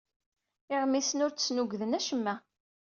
Iɣmisen ur d-snugden acemma.